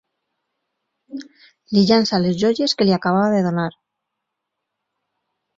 Li llança les joies que li acabava de donar.